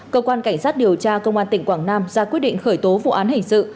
cơ quan cảnh sát điều tra công an tỉnh quảng nam ra quyết định khởi tố vụ án hình sự